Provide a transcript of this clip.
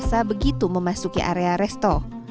kami berasa begitu memasuki area resto